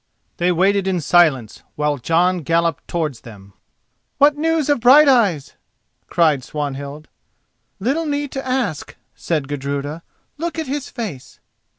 They waited in silence while Jon galloped towards them. "What news of Brighteyes?" cried Swanhild. "Little need to ask," said Gudruda, "look at his face."